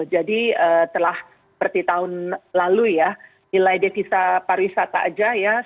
jadi telah seperti tahun lalu ya nilai defisa pariwisata aja ya